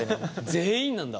全員なんだ。